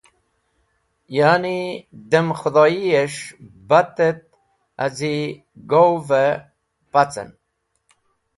Ya’ni, dem Khũdhoyiyes̃h bat et haz̃i go’v-e pacen.